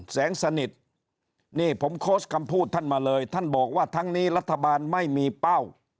แสงสนิทนี่ผมโค้ชคำพูดท่านมาเลยท่านบอกว่าทั้งนี้รัฐบาลไม่มีเป้า